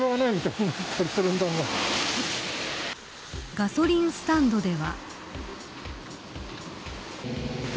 ガソリンスタンドでは。